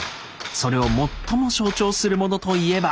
それを最も象徴するものといえば。